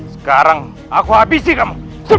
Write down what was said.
sekarang aku habisi kamu